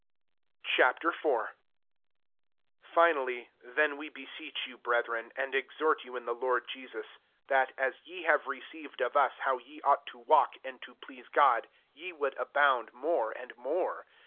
Ch. IV. 1 Finally, then we beseech you, brethren, and ex hort you in the Lord Jesus, that, as ye have received of us hoy ye ought to walk, and to please God, ye would abound more and more.